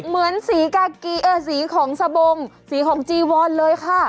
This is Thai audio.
เหมือนสีของสบงสีของจีวอลเลยค่ะ